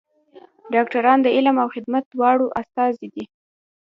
ډاکټران د علم او خدمت دواړو استازي دي.